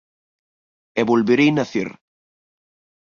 E volverei nacer.